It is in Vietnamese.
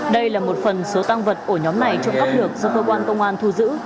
đây là một phần số tăng vật ổ nhóm này trộm cắp được do cơ quan công an thu giữ